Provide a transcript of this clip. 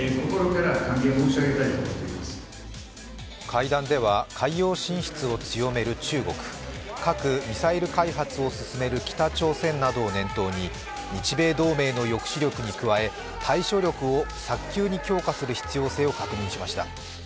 会談では海洋進出を強める中国核・ミサイル開発を進める北朝鮮などを念頭に日米同盟の抑止力に加え、対処力を早急に強化する必要性を確認しました。